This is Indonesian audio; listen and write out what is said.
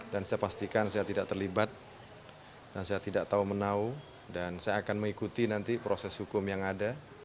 dan saya pastikan saya tidak terlibat dan saya tidak tahu menau dan saya akan mengikuti nanti proses hukum yang ada